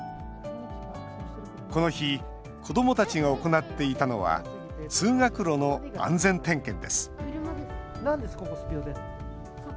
この日子どもたちが行っていたのは通学路の安全点検です。